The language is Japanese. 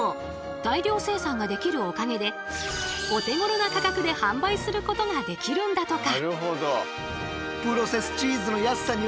大量生産ができるおかげでお手ごろな価格で販売することができるんだとか。